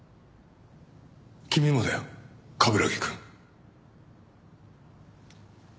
君もだよ冠城くん。